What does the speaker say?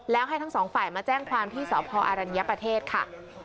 แล้วให้ทั้งสองฝ่ายมาแจ้งความที่สพอรัญญประเทศค่ะ